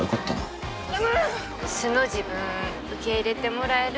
素の自分受け入れてもらえるって自信ある？